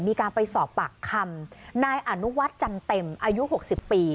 มีการไปสอบปากคำนายอนุวัฒน์จันเต็มอายุ๖๐ปี